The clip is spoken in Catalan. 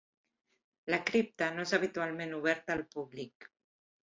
La cripta no és habitualment oberta al públic.